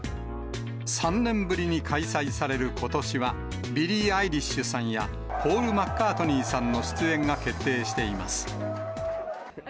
３年ぶりに開催されることしは、ビリー・アイリッシュさんや、ポール・マッカートニーさんの出演が決定しています。